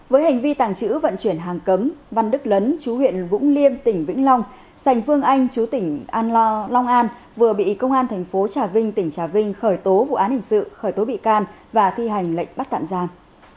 với hành vi tàng trữ vận chuyển hàng cấm văn đức lấn chú huyện vũng liêm tỉnh vĩnh long sành phương anh chú tỉnh an lo long an vừa bị công an thành phố trà vinh tỉnh trà vinh khởi tố vụ án hình sự khởi tố bị can và thi hành lệnh bắt tạm giam